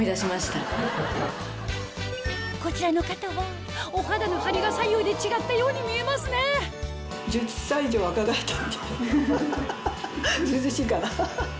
こちらの方はお肌のハリが左右で違ったように見えますねずうずうしいかな？